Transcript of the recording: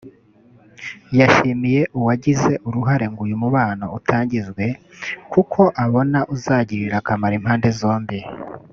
yashimiye uwagize uruhare ngo uyu mubano utangizwe kuko abona uzagirira akamaro impande zombi